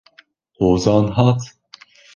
Hozan hat?